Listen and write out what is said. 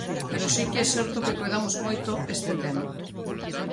Pero si que é certo que coidamos moito este tema.